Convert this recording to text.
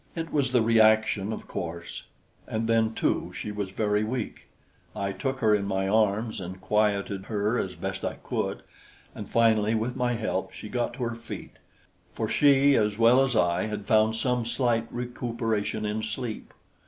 It was the reaction, of course; and then too, she was very weak. I took her in my arms and quieted her as best I could, and finally, with my help, she got to her feet; for she, as well as I, had found some slight recuperation in sleep.